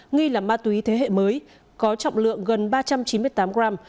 nghi là ma túy thế hệ mới có trọng lượng gần ba trăm chín mươi tám gram